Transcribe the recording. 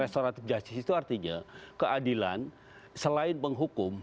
restoratif justice itu artinya keadilan selain penghukum